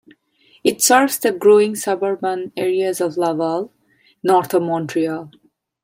It serves the growing suburban areas of Laval, North of Montreal.